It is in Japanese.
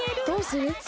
どうする？